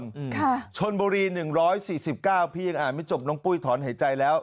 อืมค่ะชนบุรีหนึ่งร้อยสี่สิบเก้าพี่ยังอ่านไม่จบน้องปุ้ยถอนหายใจแล้ว